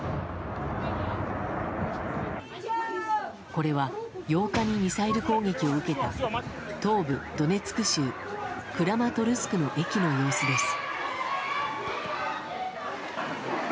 これは８日にミサイル攻撃を受けた東部ドネツク州クラマトルスクの駅の様子です。